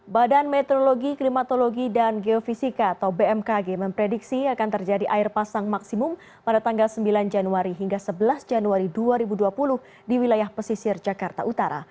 badan meteorologi klimatologi dan geofisika atau bmkg memprediksi akan terjadi air pasang maksimum pada tanggal sembilan januari hingga sebelas januari dua ribu dua puluh di wilayah pesisir jakarta utara